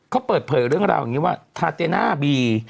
เขาเปิดเผยเรื่องราวอย่างนี้ว่าทาเตน่าบี